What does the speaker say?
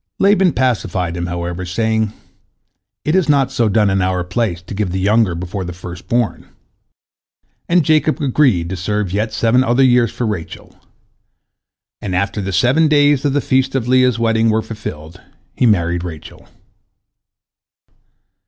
" Laban pacified him, however, saying, "It is not so done in our place, to give the younger before the first born," and Jacob agreed to serve yet seven other years for Rachel, and after the seven days of the feast of Leah's wedding were fulfilled, he married Rachel.